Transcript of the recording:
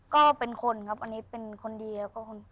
ก็เป็นคนครับอันนี้เป็นคนดีแล้วก็คน